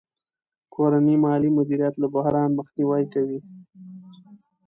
کورنی مالي مدیریت له بحران مخنیوی کوي.